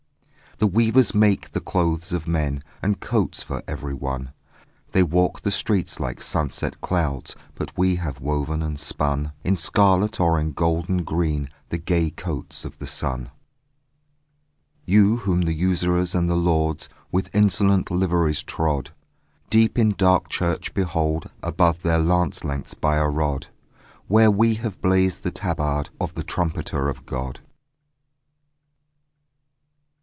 The weavers make the clothes of men And coats for everyone; They walk the streets like sunset clouds; But we have woven and spun In scarlet or in golden green The gay coats of the sun. You whom the usurers and the lords With insolent liveries trod, Deep in dark church behold, above Their lance lengths by a rod, Where we have blazed the tabard Of the trumpeter of God.